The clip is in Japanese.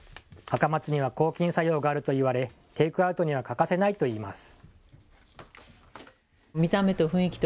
アカマツには抗菌作用があるといわれ、テイクアウトには欠かせないといいます。